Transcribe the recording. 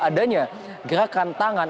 adanya gerakan tangan